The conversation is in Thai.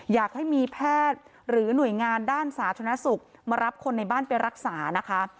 อยากให้มีแพทย์หรือหน่วยงานด้านสาธารณสุขมารับคนในบ้านไปรักษานะคะ